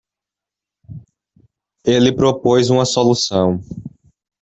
Ele propôs uma solução.